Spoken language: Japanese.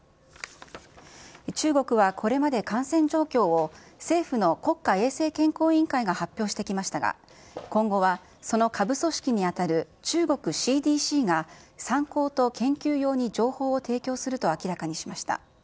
中国はこれまで感染状況を、政府の国家衛生健康委員会が発表してきましたが、今後はその下部組織に当たる中国ＣＤＣが参考と研究用に情報を提供すると明らかにしました。